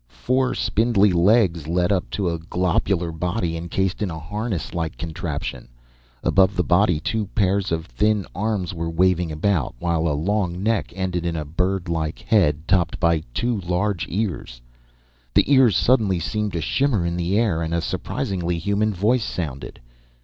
Four spindly legs led up to a globular body encased in a harness like contraption. Above the body, two pairs of thin arms were waving about, while a long neck ended in a bird like head, topped by two large ears. The ears suddenly seemed to shimmer in the air, and a surprisingly human voice sounded.